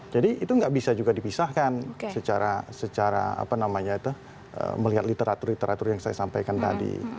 jadi itu nggak bisa juga dipisahkan secara melihat literatur literatur yang saya sampaikan tadi